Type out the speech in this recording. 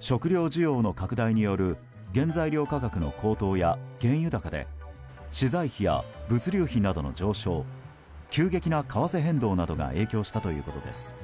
食料需要の拡大による原材料価格の高騰や原油高で資材費や物流費などの上昇急激な為替変動などが影響したということです。